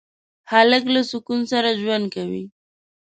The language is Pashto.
هلک له سکون سره ژوند کوي.